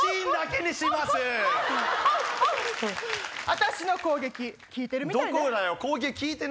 私の攻撃効いてるみたいね。